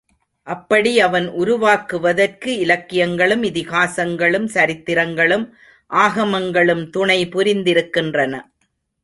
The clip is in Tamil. அப்படி அவன் உருவாக்குவதற்கு இலக்கியங்களும், இதிகாசங்களும், சரித்திரங்களும் ஆகமங்களும் துணை புரிந்திருக்கின்றன.